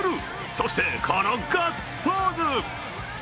そしてこのガッツポーズ。